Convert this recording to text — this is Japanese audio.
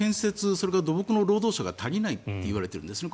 それから土木の労働者が足りないといわれているんです。